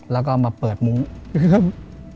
แล้วก็มาเปิดมุ้ง